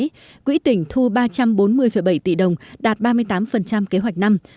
trong đó quỹ tỉnh thu ba trăm bốn mươi bảy tỷ đồng đạt ba mươi tám kế hoạch năm